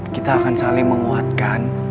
kita akan saling menguatkan